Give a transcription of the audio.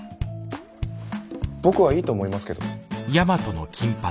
僕はいいと思いますけど。